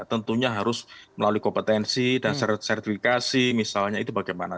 tentunya harus melalui kompetensi dan sertifikasi misalnya itu bagaimana